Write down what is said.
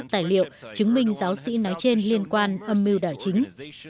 tài liệu chứng minh giáo sĩ nói trên liên quan âm mưu đảo chính